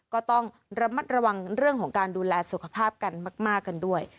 ก็ต้องระมัดระวังเรื่องของการดูแลสุขภาพกันมากกันด้วย